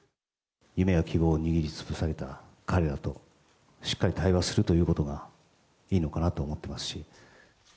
夢や希望を握りつぶされた彼らと、しっかり対話するということがいいのかなと思ってますし。